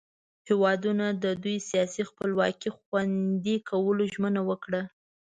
هیوادونو د دوئ سیاسي خپلواکي خوندي کولو ژمنه وکړه.